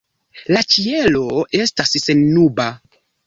La ĉielo estas sennuba.